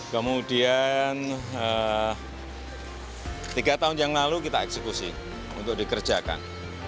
kemudian tiga tahun yang lalu kita eksekusi untuk dikerjakan